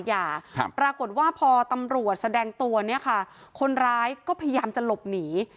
ยาครับปรากฏว่าพอตำรวจแสดงตัวเนี่ยค่ะคนร้ายก็พยายามจะหลบหนี